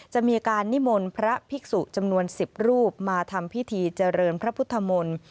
จะมีการนิมนต์พระภิกษุจำนวน๑๐รูปมาทำพิธีเจริญพระพุทธมนตร์